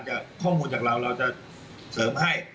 ต้องการข้อมูลจากเราเราจะเสริมให้